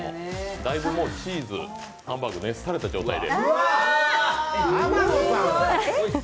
だいぶチーズハンバーグ、熱された状態で。